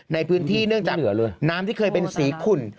ในพื้นที่เนื่องจากน้ำที่เคยเป็นสีขุ่น